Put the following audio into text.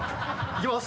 いきます。